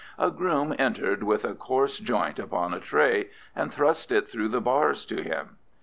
A groom entered with a coarse joint upon a tray, and thrust it through the bars to him.